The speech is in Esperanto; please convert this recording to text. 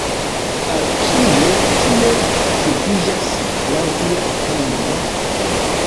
Al kio tio ŝuldiĝas, laŭ via opinio?